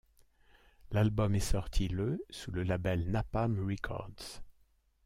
L'album est sorti le sous le label Napalm Records.